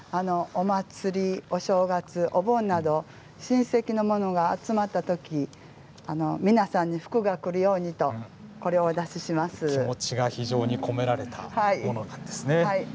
お祭り、お正月お盆など親戚の者が集まったとき皆さんに福がくるようにと気持ちが非常に込められたものなんですね。